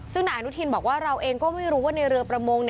ซึ่งนายอนุทินบอกว่าเราเองก็ไม่รู้ว่าในเรือประมง